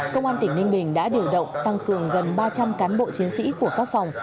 công an tỉnh ninh bình đã điều động tăng cường gần ba trăm linh cán bộ chiến sĩ của các phòng